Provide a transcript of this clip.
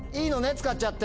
使っちゃって。